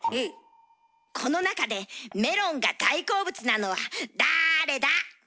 この中でメロンが大好物なのはだれだ？